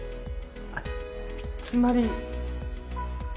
あっつまり。